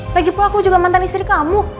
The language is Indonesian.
lagipun aku juga mantan istri kamu